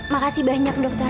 makasih banyak dokter